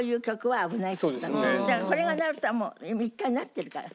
だからこれがなるとはもう１回なってるから。